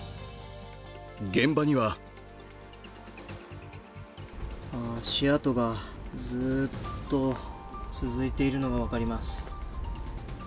現場には足跡がずっと続いているのが分かります。